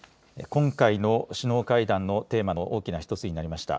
今回の首脳会談のテーマの大きな一つになりました